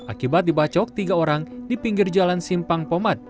akibat dibacok tiga orang di pinggir jalan simpang pomat